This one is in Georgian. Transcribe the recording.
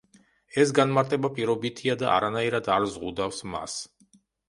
ეს განმარტება პირობითია და არანაირად არ ზღუდავს მას.